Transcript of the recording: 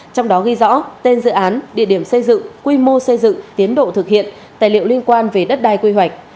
trong đó ghi rõ tên dự án địa điểm xây dựng quy mô xây dựng tiến độ thực hiện tài liệu liên quan về đất đai quy hoạch